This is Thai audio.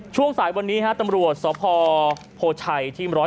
ช่วงสายวันนี้ตำรวจสพโพชัยที่๑๐๑